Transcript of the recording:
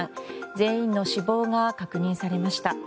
全員の死亡が確認されました。